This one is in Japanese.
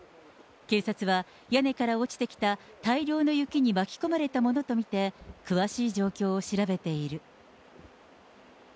警察は、屋根から落ちてきた大量の雪に巻き込まれたものと見て、詳しい状況を調べている。